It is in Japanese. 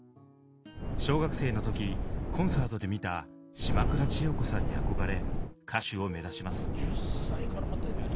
小学生の時コンサートで見た島倉千代子さんに憧れ歌手を目指します。